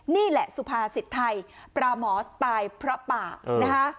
นี่แหละสุภาษิตไทยปลาหมอตายเพราะป่านะคะ